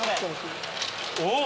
おっ！